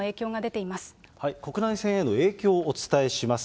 国内線への影響をお伝えします。